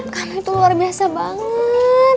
karena itu luar biasa banget